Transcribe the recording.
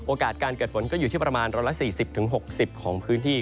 โอกาสการเกิดฝนก็อยู่ที่ประมาณร้อยละ๔๐๖๐ของพื้นที่